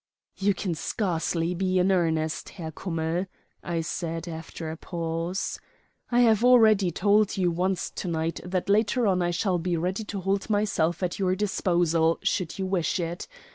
"You can scarcely be in earnest, Herr Kummell," I said, after a pause. "I have already told you once to night that later on I shall be ready to hold myself at your disposal, should you wish it.